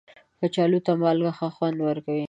کچالو ته مالګه ښه خوند ورکوي